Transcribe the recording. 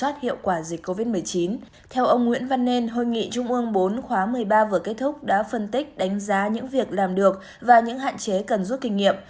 theo ông nguyễn văn nên hội nghị trung ương bốn khóa một mươi ba vừa kết thúc đã phân tích đánh giá những việc làm được và những hạn chế cần rút kinh nghiệm